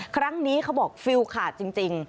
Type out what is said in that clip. ครั้งนี้เขาบอกฟิลขาดจริง